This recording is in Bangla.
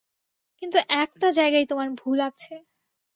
কিন্তু একটা জায়গায় তোমার ভুল আছে।